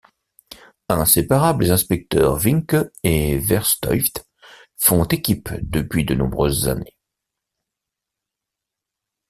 Inséparables, les inspecteurs Vincke et Verstuyft font équipe depuis de nombreuses années.